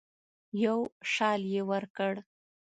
یو شال یې ورکړ.